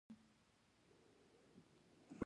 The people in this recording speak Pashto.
افغانستان له بېلابېلو او بډایه ښارونو څخه ډک دی.